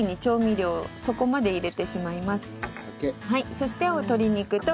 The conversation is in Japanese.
そして鶏肉と椎茸。